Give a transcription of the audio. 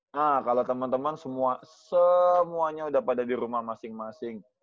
nah kalau temen temen semua semuanya udah pada di rumah masing masing